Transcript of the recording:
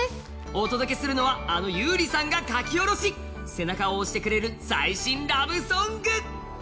お届けするのはあの優里さんが書き下ろし背中を押してくれる最新ラブソング。